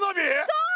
そう！